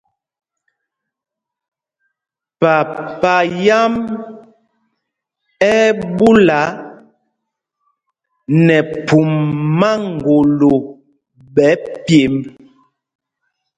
Papa yǎm ɛ́ ɛ́ ɓúla nɛ phum maŋgolo ɓɛ̌ pyemb.